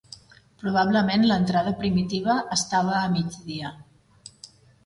Probablement l'entrada primitiva estava a migdia.